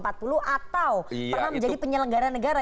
atau pernah menjadi penyelenggara negara